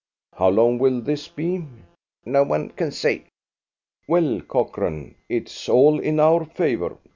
"How long will this be?" "No one can say." "Well, Cochrane, it's all in our favour.